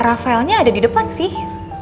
rafaelnya ada di depan sih